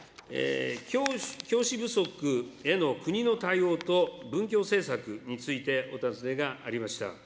教師不足への国の対応と文教政策についてお尋ねがありました。